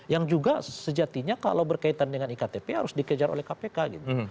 yang juga sejatinya kalau berkaitan dengan iktp harus dikejar oleh kpk gitu